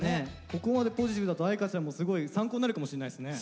ここまでポジティブだと愛華ちゃんもすごい参考になるかもしれないですね。